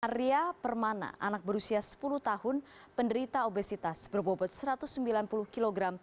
arya permana anak berusia sepuluh tahun penderita obesitas berbobot satu ratus sembilan puluh kg